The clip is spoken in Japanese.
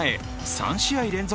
３試合連続